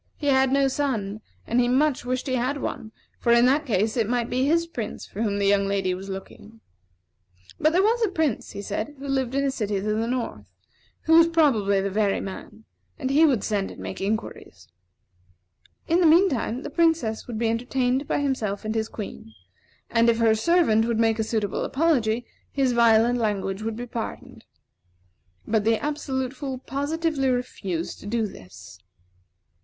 He had no son, and he much wished he had one; for in that case it might be his Prince for whom the young lady was looking. But there was a prince, he said, who lived in a city to the north, who was probably the very man; and he would send and make inquiries. In the mean time, the Princess would be entertained by himself and his Queen; and, if her servant would make a suitable apology, his violent language would be pardoned. But the Absolute Fool positively refused to do this.